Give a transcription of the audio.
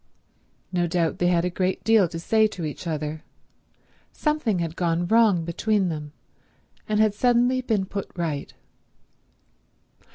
No doubt they had a great deal to say to each other; something had gone wrong between them, and had suddenly been put right.